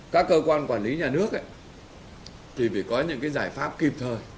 các cơ quan quản lý nhà nước thì phải có những giải pháp kịp thời